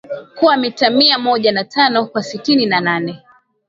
kuwa mita mia moja na tano kwa sitini na nane